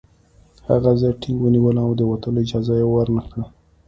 هغې زه ټینګ ونیولم او د وتلو اجازه یې ورنکړه